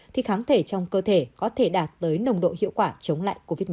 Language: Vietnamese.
thì kháng thể trong cơ thể có thể đạt tới nồng độ hiệu quả chống lại covid một mươi chín